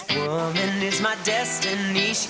pemimpin ini adalah destinasi saya